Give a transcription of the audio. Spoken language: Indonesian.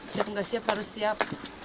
siap nggak siap harus siap